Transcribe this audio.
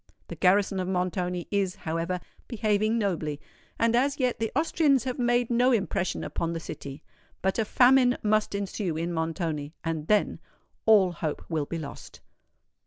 The garrison of Montoni is, however, behaving nobly; and as yet the Austrians have made no impression upon the city. But a famine must ensue in Montoni;—and then, all hope will be lost!"